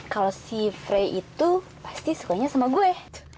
kalau si frey itu pasti sukanya sama gue